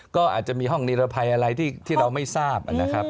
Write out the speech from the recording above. ก็อาจจะมีห้องนิรภัยอะไรที่เราไม่ทราบนะครับ